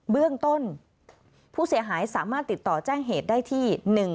เบื้องต้นผู้เสียหายสามารถติดต่อแจ้งเหตุได้ที่